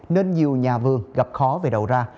nên nhiều nhà vương gặp khó về đầu ra